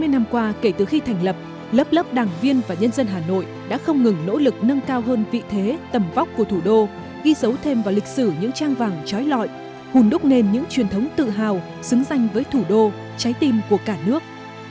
sáu mươi năm qua kể từ khi thành lập lớp lớp đảng viên và nhân dân hà nội đã không ngừng nỗ lực nâng cao hơn vị thế tầm vóc của thủ đô ghi dấu thêm vào lịch sử những trang vàng trói lọi hùn đúc nền những truyền thống tự hào xứng danh với thủ đô trái tim của cả nước